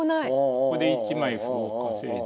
ここで１枚歩を稼いで。